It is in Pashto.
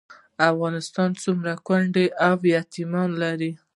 افغانستان څومره کونډې او یتیمان لري؟